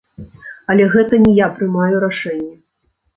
Але гэта не я прымаю рашэнне.